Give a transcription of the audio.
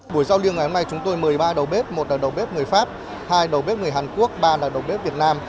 buổi giao lưu ngày hôm nay chúng tôi một mươi ba đầu bếp một là đầu bếp người pháp hai đầu bếp người hàn quốc ba là đầu bếp việt nam